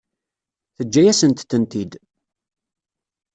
Teǧǧa-yasent-tent-id.